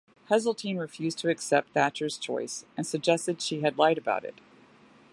Heseltine refused to accept Thatcher's choice and suggested she had lied about it.